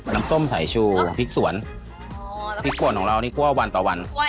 น้ำส้มสายชูพริกสวนพริกสวนของเรานี่กลัววันต่อวัน